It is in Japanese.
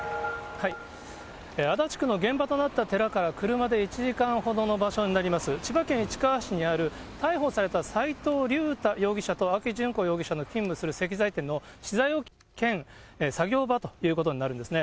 足立区の現場となった寺から車で１時間ほどの場所になります、千葉県市川市にある逮捕された斎藤竜太容疑者と青木淳子容疑者の勤務する石材店の資材置き兼作業場ということになるんですね。